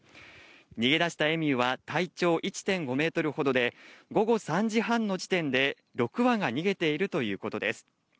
逃げ出したエミューは体長１．５メートルほどで、午後３時半の時点で６羽が逃げているということです。